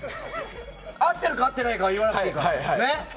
合ってるか合ってないか言わなくていいからね。